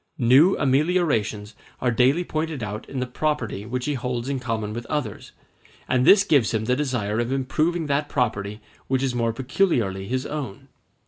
New ameliorations are daily pointed out in the property which he holds in common with others, and this gives him the desire of improving that property which is more peculiarly his own.